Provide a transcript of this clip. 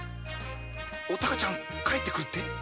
お孝ちゃんが帰って来るって？